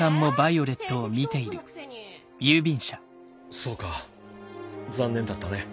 そうか残念だったね。